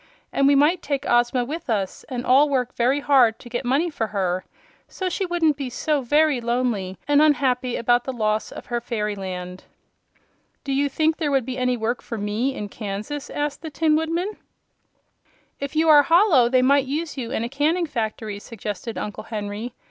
And we might take Ozma with us and all work hard to get money for her, so she wouldn't be so VERY lonely and unhappy about the loss of her fairyland." "Do you think there would be any work for ME in Kansas?" asked the Tin Woodman. "If you are hollow, they might use you in a canning factory," suggested Uncle Henry.